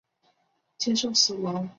接受死亡好吗？